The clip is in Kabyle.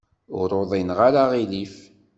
Ur uḍineɣ ara aɣilif.